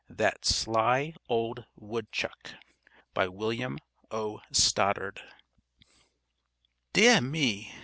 THAT SLY OLD WOODCHUCK By William O. Stoddard "Deah me!